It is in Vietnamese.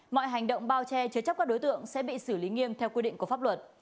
mọi hành động bao che chứa chấp các đối tượng sẽ bị xử lý nghiêm theo quy định của pháp luật